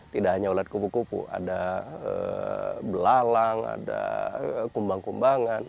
tidak hanya ulat kupu kupu ada belalang ada kumbang kumbangan